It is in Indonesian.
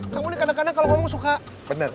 kamu nih kadang kadang kalau ngomong suka bener